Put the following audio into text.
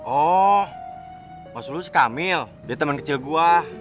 oh maksud lo si kamil dia temen kecil gue